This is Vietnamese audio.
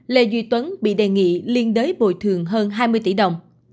lê duy tuấn bị đề nghị liên đới bồi thường hơn hai mươi tỷ đồng